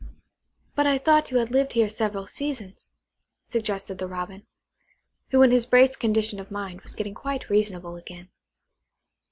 "But I thought you had lived here several seasons," suggested the Robin, who in his braced condition of mind was getting quite reasonable again.